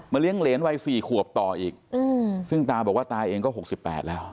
เลี้ยงเหรนวัย๔ขวบต่ออีกซึ่งตาบอกว่าตาเองก็๖๘แล้ว